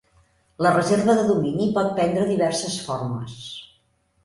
La reserva de domini pot prendre diverses formes.